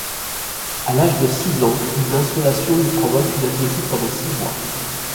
À l'âge de six ans, une insolation lui provoque une amnésie pendant six mois.